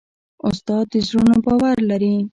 استاد د زړونو باور لري.